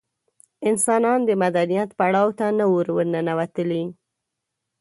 انسانان د مدنیت پړاو ته نه وو ورننوتلي.